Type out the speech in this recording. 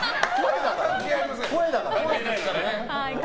声だからね。